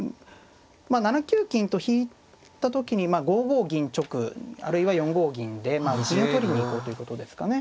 まあ７九金と引いた時に５五銀直あるいは４五銀で銀を取りに行こうということですかね。